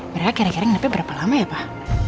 mereka kira kira nge pick berapa lama ya pak